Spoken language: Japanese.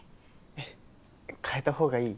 えっ変えた方がいい？